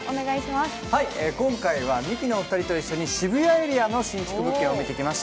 今回はミキのお二人と一緒に渋谷エリアの新築物件を見てきました。